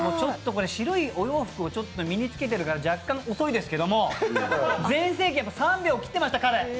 これ白いお洋服を身に着けているから若干遅いですけど、全盛期は彼、３秒切ってました。